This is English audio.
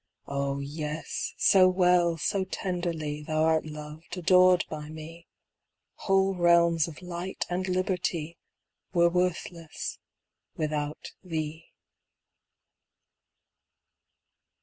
Oh, yes, so well, so tenderly Thou'rt loved, adored by me, Whole realms of light and liberty Were worthless without thee.